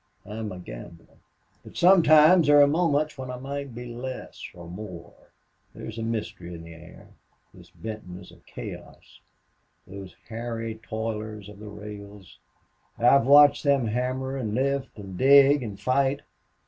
I'm a gambler. But sometimes there are moments when I might be less or more. There's mystery in the air. This Benton is a chaos. Those hairy toilers of the rails! I've watched them hammer and lift and dig and fight.